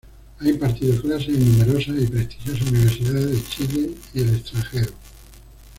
Ha impartido clases en numerosas y prestigiosas universidades de Chile y el extranjero.